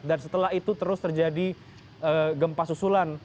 dan setelah itu terus terjadi gempa susulan